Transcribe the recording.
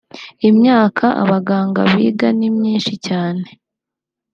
Imyaka abaganga biga ni myinshi cyane